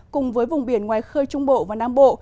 cùng với vùng biển ngoài khơi trung bộ và nam bộ